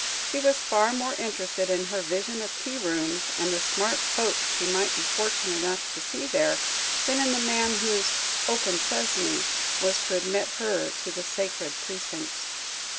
She was far more interested in her vision of tea rooms, and the smart folk she might be fortunate enough to see there, than in the man whose "open sesame" was to admit her to the sacred precincts.